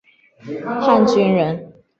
汉军人。